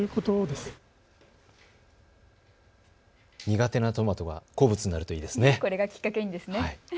苦手なトマトが好物になるといいですね。